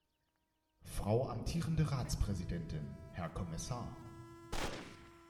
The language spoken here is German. Frau amtierende Ratspräsidentin, Herr Kommissar!